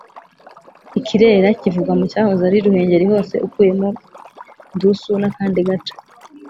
ikirera: kivugwa mu cyahoze ari ruhengeri hose ukuyemo ndusu n’akandi gace